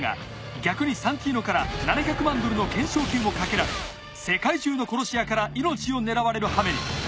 逆にサンティーノから７００万ドルの懸賞金をかけられ世界中の殺し屋から命を狙われるはめに。